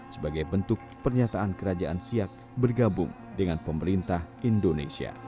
sebagai bentuk pernyataan kerajaan siak bergabung dengan pemerintah indonesia